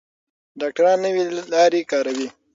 ډاکټران نوې لارې کاروي.